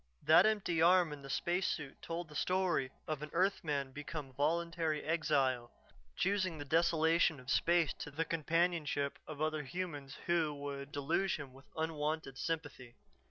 That empty arm in the spacesuit told the story of an earthman become voluntary exile, choosing the desolation of space to the companionship of other humans who would deluge him with unwonted sympathy.